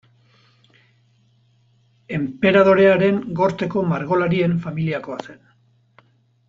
Enperadorearen gorteko margolarien familiakoa zen.